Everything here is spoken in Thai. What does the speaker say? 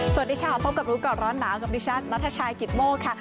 สวัสดีค่ะพบกับรู้ก่อนร้อนหนาวกับดิฉันนัทชายกิตโมกค่ะ